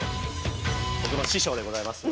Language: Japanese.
僕の師匠でございます。